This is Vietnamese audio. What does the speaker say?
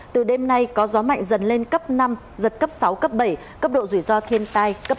từ đêm nay có gió mạnh dần lên cấp năm giật cấp sáu cấp bảy cấp độ rủi ro thiên tai cấp ba